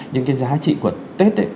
những cái giá trị của tết ấy